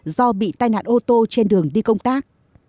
do bị tai nạn ô tô trên đường đi công tác